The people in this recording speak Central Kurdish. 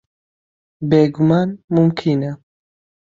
بێگومان، مومکینە.